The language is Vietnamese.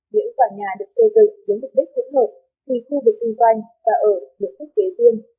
những quảng nhà được xây dựng với mục đích hỗn hợp vì khu vực kinh doanh và ở được thích kế riêng